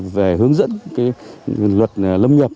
về hướng dẫn cái luật lâm nhập